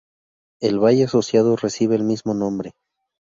El valle asociado recibe el mismo nombre.